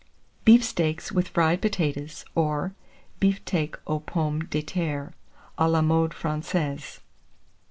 BEEF STEAKS WITH FRIED POTATOES, or BIFTEK AUX POMMES DE TERRE (a la mode Francaise).